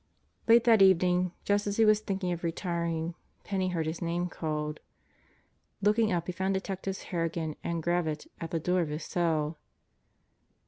Late that evening, just as he was thinking of retiring, Penney heard his name called. Looking up he found Detectives Harrigan and Gravitt at the door of his cell.